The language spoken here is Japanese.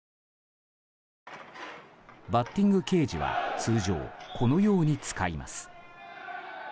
バッティングケージは通常、このように使います。